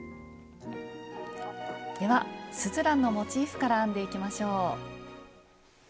ではスズランのモチーフから編んでいきましょう。